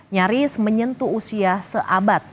nyaris menyentuh usia seabad